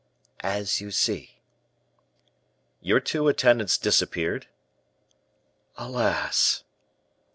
"As you see." "Your two attendants disappeared?" "Alas!"